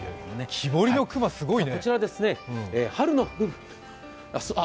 木彫りの熊、すごいね。